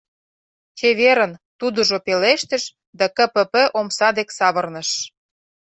Чеверын, — тудыжо пелештыш да КПП омса дек савырныш.